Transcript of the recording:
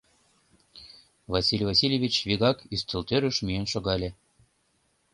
Василий Васильевич вигак ӱстелтӧрыш миен шогале.